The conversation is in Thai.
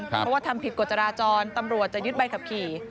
เพราะว่าทำผิดกฎจราจรตำรวจจะยึดใบขับขี่